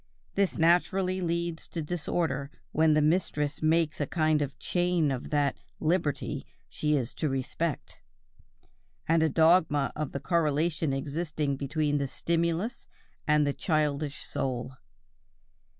This naturally leads to disorder when the mistress makes a kind of chain of that "liberty" she is to respect, and a dogma of the correlation existing between the stimulus and the childish soul.